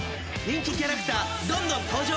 人気キャラクターどんどん登場！